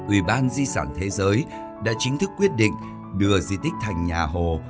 ủy ban di sản thế giới đã chính thức quyết định đưa di tích thành nhà hồ